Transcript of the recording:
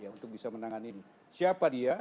untuk bisa menangani siapa dia